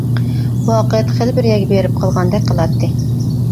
ۋاقىت خېلى بىر يەرگە بېرىپ قالغاندەك قىلاتتى.